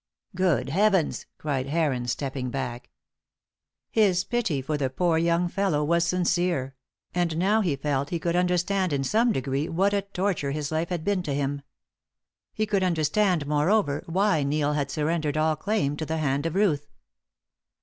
"Good Heavens cried Heron, stepping back. His pity for the poor young fellow was sincere; and now he felt he could understand in some degree what a torture his life had been to him. He could understand, moreover, why Neil had surrendered all claim to the hand of Ruth.